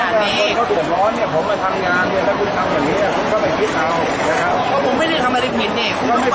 อาหรับเชี่ยวจามันไม่มีควรหยุด